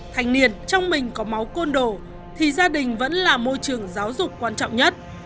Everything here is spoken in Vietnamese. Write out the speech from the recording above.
thành niên trong mình có máu côn đồ thì gia đình vẫn là môi trường giáo dục quan trọng nhất